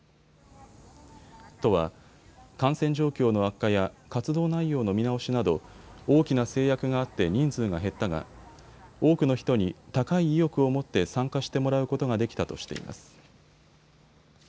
都は、感染状況の悪化や活動内容の見直しなど大きな制約があって人数が減ったが多くの人に高い意欲を持って参加してもらうことができたとしています。